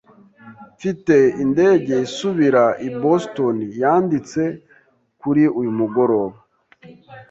Mfite indege isubira i Boston yanditse kuri uyu mugoroba .